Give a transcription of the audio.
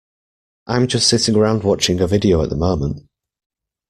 I'm just sitting around watching a video at the moment.